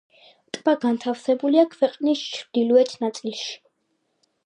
ტბა განთავსებულია ქვეყნის ჩრდილოეთ ნაწილში.